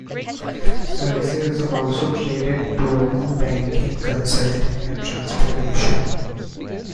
Services are also traded: tourism, banking, consulting and transportation.